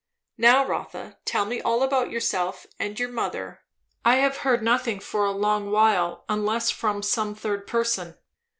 "Now Rotha, tell me all about yourself and your mother. I have heard nothing for a long while, unless from some third person."